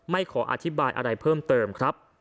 ขออธิบายอะไรเพิ่มเติมครับ